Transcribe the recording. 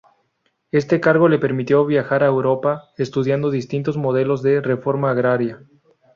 Este cargo le permitió viajar por Europa estudiando distintos modelos de reforma agraria.